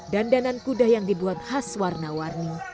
dandanan kuda yang dibuat khas warna warni